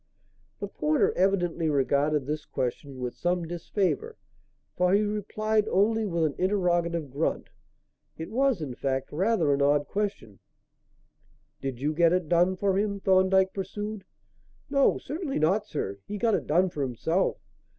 The porter evidently regarded this question with some disfavour, for he replied only with an interrogative grunt. It was, in fact, rather an odd question. "Did you get it done for him," Thorndyke pursued. "No, certainly not, sir. He got it done for himself.